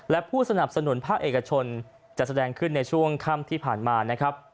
และผู้สนับสนุนภาคเอกชนจะแสดงขึ้นในช่วงค่ำที่ผ่านมานะครับ